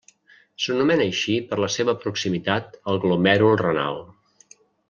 S'anomena així per la seva proximitat al glomèrul renal.